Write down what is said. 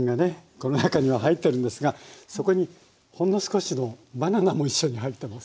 この中には入ってるんですがそこにほんの少しのバナナも一緒に入ってます。